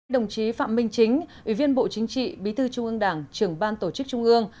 đồng chí phạm minh chính ủy viên bộ chính trị bí thư trung ương đảng trưởng ban tổ chức trung ương